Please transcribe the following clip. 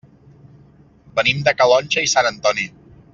Venim de Calonge i Sant Antoni.